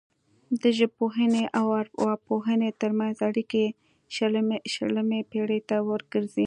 د ژبپوهنې او ارواپوهنې ترمنځ اړیکې شلمې پیړۍ ته ورګرځي